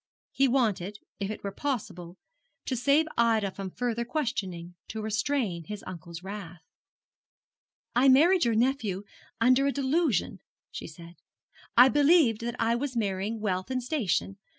He wanted, if it were possible, to save Ida from further questioning, to restrain his uncle's wrath. 'I married your nephew under a delusion,' she said. 'I believed that I was marrying wealth and station.